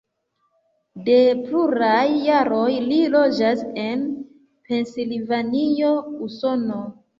De pluraj jaroj li loĝas en Pensilvanio, Usono.